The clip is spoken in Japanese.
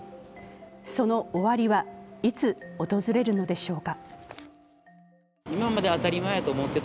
その終わりは、いつ訪れるのでしょうか。